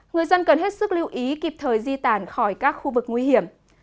người dân cần hết sức lưu ý kịp thời di tản khỏi các khu vực nguy hiểm